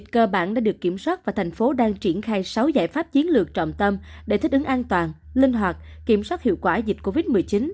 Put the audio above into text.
cơ bản đã được kiểm soát và thành phố đang triển khai sáu giải pháp chiến lược trọng tâm để thích ứng an toàn linh hoạt kiểm soát hiệu quả dịch covid một mươi chín